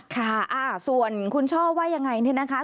ค่ะส่วนคุณช่อว่ายังไงเนี่ยนะคะ